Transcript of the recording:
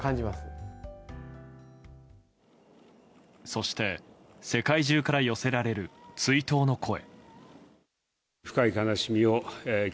そして、世界中から寄せられる追悼の声。